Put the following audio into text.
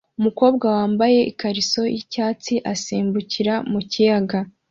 Umukobwa wambaye ikariso yicyatsi asimbukira mu kiyaga